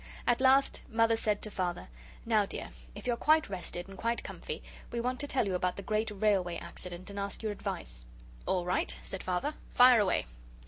At last Mother said to Father, "Now, dear, if you're quite rested, and quite comfy, we want to tell you about the great railway accident, and ask your advice." "All right," said Father, "fire away!"